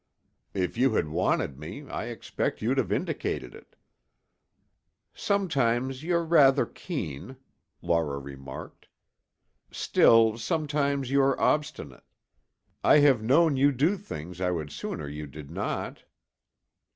"If you had wanted me, I expect you'd have indicated it." "Sometimes you're rather keen," Laura remarked. "Still sometimes you are obstinate. I have known you do things I would sooner you did not."